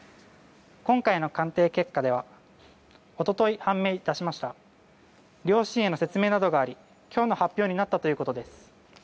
今回の鑑定結果では一昨日、判明致しました両親への説明などがあり今日の発表になったということです。